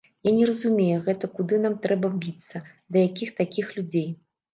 Я не разумею, гэта куды нам трэба біцца, да якіх такіх людзей?